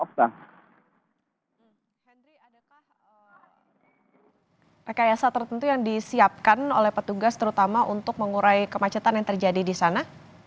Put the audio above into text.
hendry adakah rekayasa tertentu yang disiapkan oleh petugas terutama untuk mengurai kemacetan yang terjadi di sana